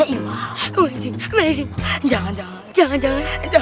iya iya iya jangan jangan jangan jangan jangan